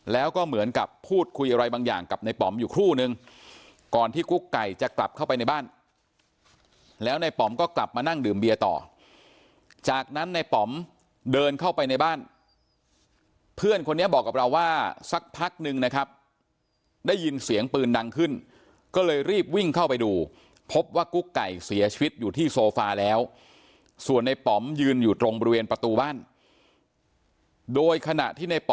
แล้วก็เหมือนกับพูดคุยอะไรบางอย่างกับในป๋อมอยู่ครู่นึงก่อนที่กุ๊กไก่จะกลับเข้าไปในบ้านแล้วในป๋อมก็กลับมานั่งดื่มเบียร์ต่อจากนั้นในป๋อมเดินเข้าไปในบ้านเพื่อนคนนี้บอกกับเราว่าสักพักนึงนะครับได้ยินเสียงปืนดังขึ้นก็เลยรีบวิ่งเข้าไปดูพบว่ากุ๊กไก่เสียชีวิตอยู่ที่โซฟาแล้วส่วนในป๋อมยืนอยู่ตรงบริเวณประตูบ้านโดยขณะที่ในป